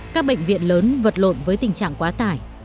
các bệnh viện lớn vật lộn với tình trạng quá tải